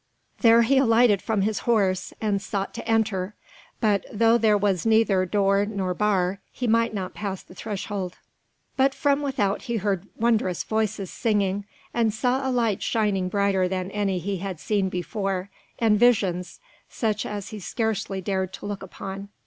There he alighted from his horse, and sought to enter, but though there was neither door nor bar he might not pass the threshold. But from without be heard wondrous voices singing, and saw a light shining brighter than any that he had seen before, and visions such as he scarcely dared to look upon.